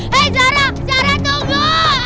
hei zara zara tunggu